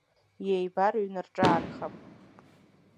Иеибарыҩны рҿаархап.